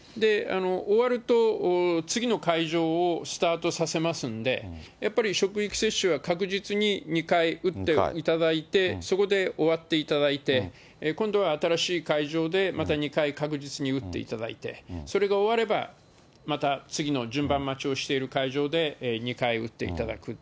終わると次の会場をスタートさせますんで、やっぱり職域接種は確実に２回打っていただいて、そこで終わっていただいて、今度は新しい会場でまた２回確実に打っていただいて、それが終われば、また次の順番待ちをしている会場で２回打っていただく。